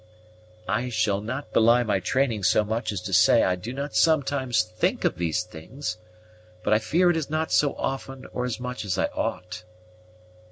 "I shall not belie my training so much as to say I do not sometimes think of these things, but I fear it is not so often or so much as I ought."